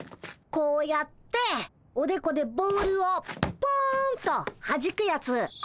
こうやっておでこでボールをポンとはじくやつ。